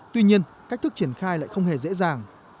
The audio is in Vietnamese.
tuy nhiên cách thức triển khai lại không hề dễ dàng